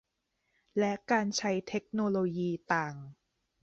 และการใช้เทคโนโลยีต่าง